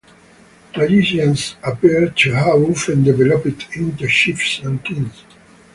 Magicians appear to have often developed into chiefs and kings.